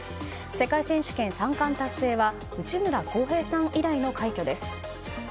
世界選手権３冠達成は内村航平さん以来の快挙です。